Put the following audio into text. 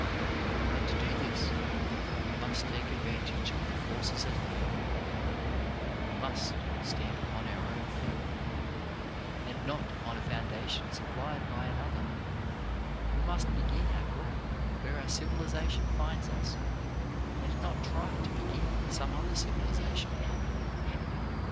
But to do this we must take advantage of the 259 2 6o CHARACTER BUILDING forces at hand. We must stand upon our own feet, and not upon a foundation supplied by an other. We must begin our growth where our civilization finds us, and not try to begin on some other civilization